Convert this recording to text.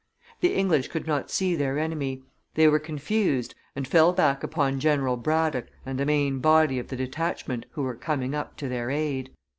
The English could not see their enemy; they were confused, and fell back upon General Braddock and the main body of the detachment who were coming up to their aid.